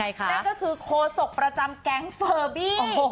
นั่นก็คือโคศกประจำแก๊งเฟอร์บี้